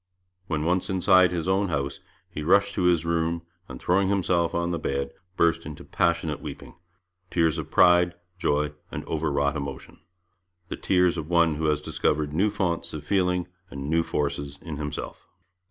When once inside his own house, he rushed to his room and, throwing himself on his bed, burst into passionate weeping tears of pride, joy, and overwrought emotion the tears of one who has discovered new founts of feeling and new forces in himself.